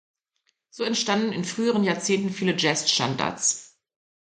So entstanden in früheren Jahrzehnten viele Jazzstandards.